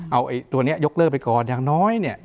เอายกเลิกไปก่อนอย่างน้อยเนี่ย